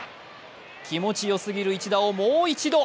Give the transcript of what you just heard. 気持ちよすぎる一打をもう一度。